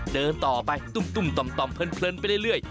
เดินต่อไปตุ้มต่อมเพลินไปเรื่อย